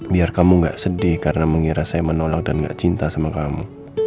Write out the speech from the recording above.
biar kamu gak sedih karena mengira saya menolak dan gak cinta sama kamu